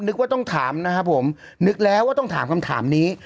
นึกว่าต้องถามนะครับผมนึกแล้วว่าต้องถามคำถามนี้